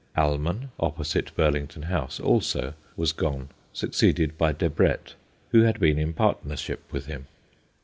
Almon, opposite Burlington House also, was gone, succeeded by Debrett, who had been in partnership with him.